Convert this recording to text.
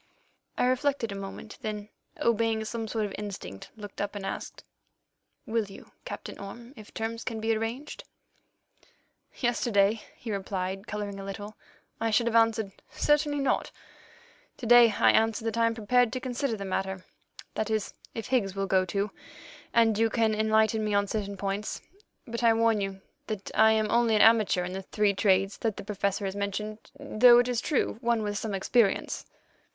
I reflected a moment, then, obeying some sort of instinct, looked up and asked: "Will you, Captain Orme, if terms can be arranged?" "Yesterday," he replied, colouring a little, "I should have answered, 'Certainly not.' To day I answer that I am prepared to consider the matter—that is, if Higgs will go too, and you can enlighten me on certain points. But I warn you that I am only an amateur in the three trades that the Professor has mentioned, though, it is true, one with some experience."